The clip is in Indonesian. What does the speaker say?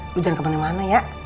tapi jangan kemana mana ya